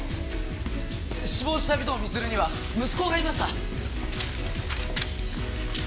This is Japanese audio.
死亡した尾藤充には息子がいました！